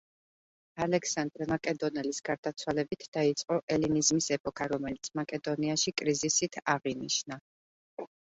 ალექსანდრე მაკედონელის გარდაცვალებით დაიწყო ელინიზმის ეპოქა, რომელიც მაკედონიაში კრიზისით აღინიშნა.